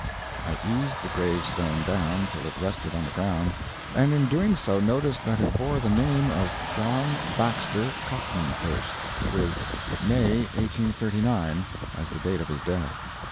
I eased the gravestone down till it rested on the ground, and in doing so noticed that it bore the name of "John Baxter Copmanhurst," with "May, 1839," as the date of his death.